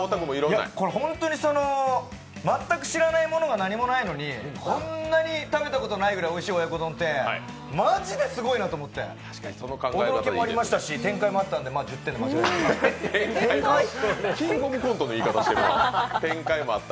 本当に全く知らないものが何もないのにこんなに食べたことないぐらいおいしい親子丼って、マジですごいなと思って、驚きもありましたし、展開もありましたので、まあ１０点で間違いないなと思って。